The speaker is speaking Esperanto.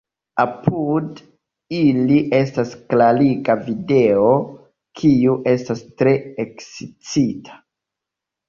Apud ili estas klariga video, kiu estas tre ekscita.